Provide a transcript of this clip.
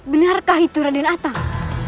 benarkah itu raden atang